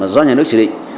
do nhà nước chỉ định